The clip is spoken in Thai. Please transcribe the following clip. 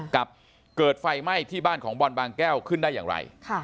กับเกิดไฟไหม้ที่บ้านของบอลบางแก้วขึ้นได้อย่างไร